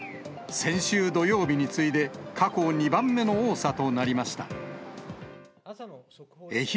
先週土曜日に次いで、過去２番目の多さとなりました。